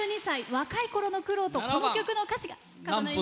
若いころの苦労とこの曲の歌詞が重なります。